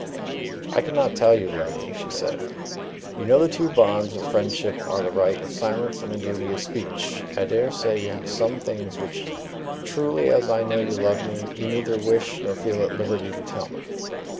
"I can not tell you, Letty," she said. "You know the two bonds of friendship are the right of silence and the duty of speech. I dare say you have some things which, truly as I know you love me, you neither wish nor feel at liberty to tell me."